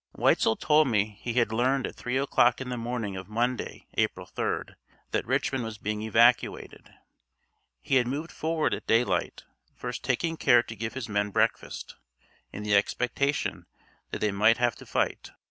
Weitzel told me that he had learned at three o'clock in the morning of Monday, April 3d, that Richmond was being evacuated. He had moved forward at daylight, first taking care to give his men breakfast, in the expectation that they might have to fight.